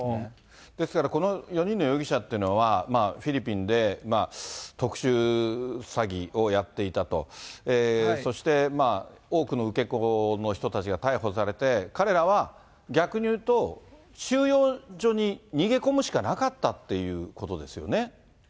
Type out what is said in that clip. ですからこの４人の容疑者というのは、フィリピンで特殊詐欺をやっていたと、そして多くの受け子の人たちが逮捕されて、彼らは逆に言うと、収容所に逃げ込むしかなかったっていうことですよね。